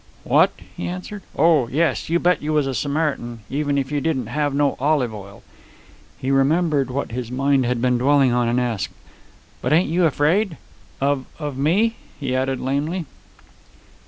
"What?" he answered. "Oh, yes; you bet you was a Samaritan, even if you didn't have no olive oil." He remembered what his mind had been dwelling on, and asked, "But ain't you afraid?" "Of ... of me?" he added lamely.